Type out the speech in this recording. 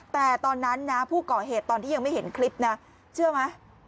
แต่ตอนนั้นนะผู้ก่อเหตุตอนที่ยังไม่เห็นคลิปนะเชื่อไหม